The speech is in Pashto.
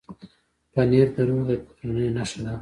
پنېر د روغې کورنۍ نښه ده.